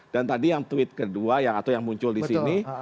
dan tadi yang tweet kedua yang muncul disini